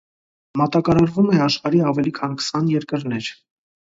Մատակարարվում է աշխարհի ավելին քան քսան երկրներ։